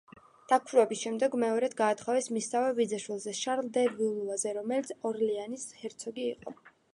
დაქვრივების შემდგომ მეორედ გაათხოვეს მისსავე ბიძაშვილზე, შარლ დე ვალუაზე, რომელიც ორლეანის ჰერცოგი იყო.